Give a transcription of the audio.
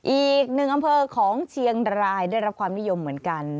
อีกหนึ่งอำเภอของเชียงรายได้รับความนิยมเหมือนกัน